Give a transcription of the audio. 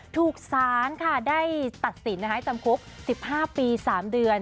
ถูกสารค่ะได้ตัดสินให้จำคุก๑๕ปี๓เดือน